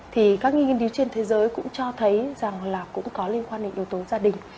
thì các nghiên cứu trên thế giới cũng cho thấy rằng là cũng có liên quan đến yếu tố gia đình